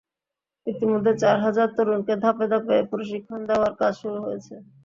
ইতিমধ্যে চার হাজার তরুণকে ধাপে ধাপে প্রশিক্ষণ দেওয়ার কাজ শুরু হয়েছে।